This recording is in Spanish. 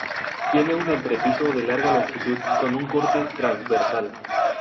Tiene un entrepiso de larga longitud con un corte transversal.